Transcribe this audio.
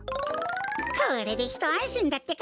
これでひとあんしんだってか。